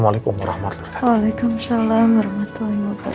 waalaikumsalam warahmatullahi wabarakatuh